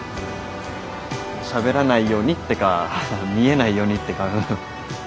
しゃべらないようにってか見えないようにってか。